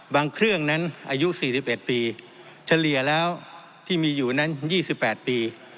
บางเครื่องนั้นอายุสี่สิบเอ็ดปีเฉลี่ยแล้วที่มีอยู่นั้นยี่สิบแปดปี